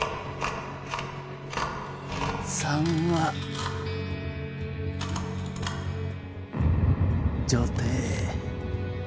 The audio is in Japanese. ３は女帝。